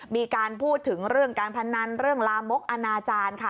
มีการพูดถึงเรื่องการพนันเรื่องลามกอนาจารย์ค่ะ